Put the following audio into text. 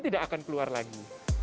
tidak akan keluar lagi